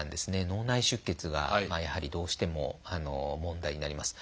脳内出血がやはりどうしても問題になります。